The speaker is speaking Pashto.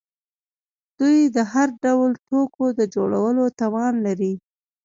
دوی د هر ډول توکو د جوړولو توان لري.